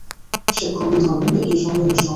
সে খুবই ধনী, একইসাথে নিঃসঙ্গ।